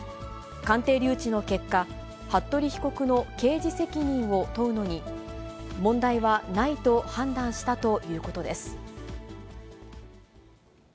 鑑定留置の結果、服部被告の刑事責任を問うのに問題はないと判断したということです。